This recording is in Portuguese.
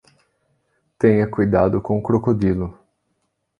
Tenha cuidado com o crocodilo.